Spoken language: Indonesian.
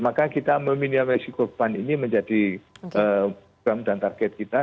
maka kita meminimasi korban ini menjadi target kita